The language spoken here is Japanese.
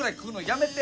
やめて。